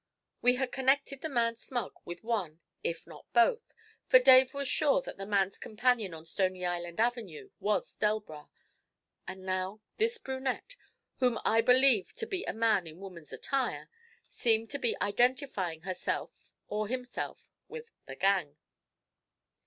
We had connected the man Smug with one, if not both, for Dave was sure that the man's companion on Stony Island Avenue was Delbras, and now this brunette, whom I believed to be a man in woman's attire, seemed to be identifying herself, or himself, with the 'gang.'